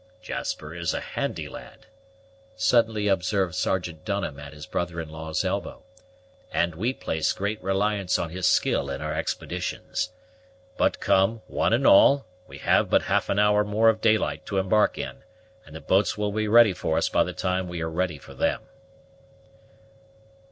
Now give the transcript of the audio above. "Jasper is a handy lad," suddenly observed Sergeant Dunham at his brother in law's elbow; "and we place great reliance on his skill in our expeditions. But come, one and all, we have but half an hour more of daylight to embark in, and the boats will be ready for us by the time we are ready for them."